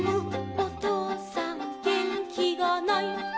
おとうさんげんきがない」